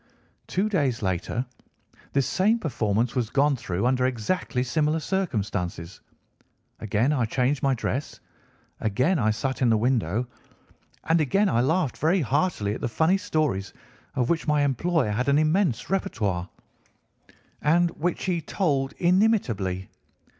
"Two days later this same performance was gone through under exactly similar circumstances. Again I changed my dress, again I sat in the window, and again I laughed very heartily at the funny stories of which my employer had an immense répertoire, and which he told inimitably.